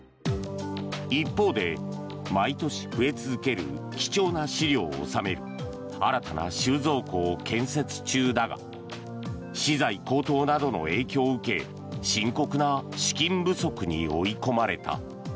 一方で毎年、増え続ける貴重な資料を収める新たな収蔵庫を建設中だが資材高騰などの影響を受け深刻な資金不足に追い込まれた。